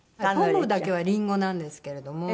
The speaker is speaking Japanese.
ポムだけはリンゴなんですけれども。